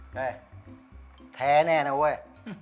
เฮ้ยแท้แน่นะเว้ย